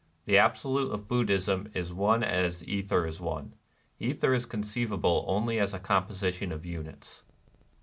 The Absolute of Buddhism is one as ether is one. Ether is conceivable only as a composition of units.